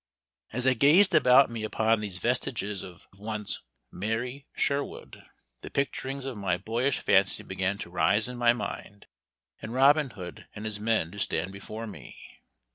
As I gazed about me upon these vestiges of once "Merrie Sherwood," the picturings of my boyish fancy began to rise in my mind, and Robin Hood and his men to stand before me.